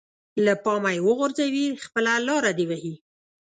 له پامه يې وغورځوي خپله لاره دې وهي.